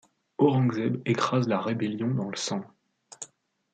Aurangzeb écrase la rébellion dans le sang.